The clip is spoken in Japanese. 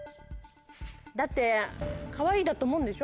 だって「かわいい」だと思うんでしょ？